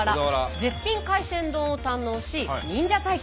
絶品海鮮丼を堪能し忍者体験。